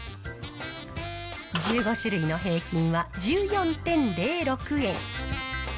１５種類の平均は１４．０６円。